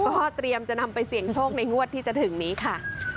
ก็เตรียมจะนำไปเสี่ยงโชคในงวดที่จะถึงนี้ค่ะ